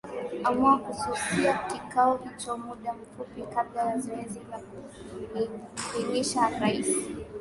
amua kususia kikao hicho muda mfupi kabla ya zoezi la kumuidhinisha rais